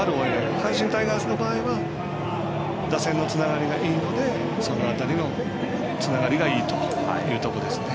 阪神タイガースの場合は打線のつながりがいいのでその辺りのつながりがいいというところですね。